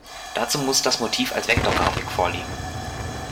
Dazu muss das Motiv als Vektorgrafik vorliegen.